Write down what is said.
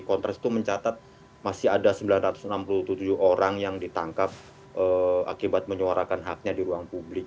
kontras itu mencatat masih ada sembilan ratus enam puluh tujuh orang yang ditangkap akibat menyuarakan haknya di ruang publik